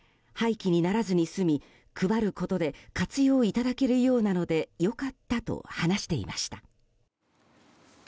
廃棄にならずに済み配ることで活用いただけるようなので良かったと話していました。